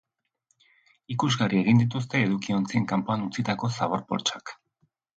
Ikusgarri egin dituzte edukiontzien kanpoan utzitako zabor-poltsak.